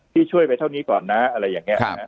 ช่วยไปเท่านี้ก่อนนะอะไรอย่างนี้